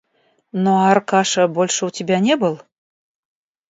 Ну, а Аркаша больше у тебя не был?